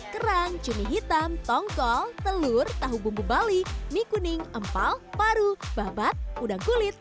kerang cumi hitam tongkol telur tahu bumbu bali mie kuning empal paru babat udang kulit